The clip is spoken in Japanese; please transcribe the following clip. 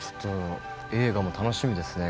映画も楽しみですね